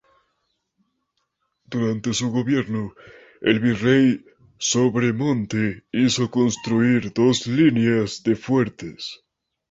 Durante su gobierno, el virrey Sobremonte hizo construir dos líneas de fuertes.